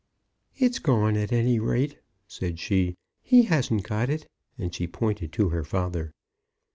"It's gone at any rate," said she. "He hasn't got it," and she pointed to her father.